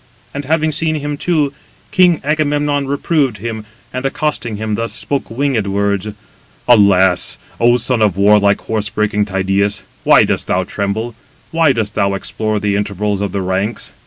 And having seen him too, king Agamemnon reproved him, and accosting him thus, spoke winged words: "Alas! O son of warlike horse breaking Tydeus, why dost thou tremble? Why dost thou explore the intervals of the ranks?